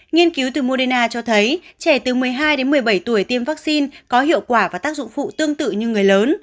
nghiên cứu từ moderna cho thấy trẻ từ một mươi hai đến một mươi bảy tuổi tiêm vaccine có hiệu quả và tác dụng phụ tương tự như người lớn